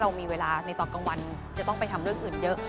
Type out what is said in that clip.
เรามีเวลาในตอนกลางวันจะต้องไปทำเรื่องอื่นเยอะ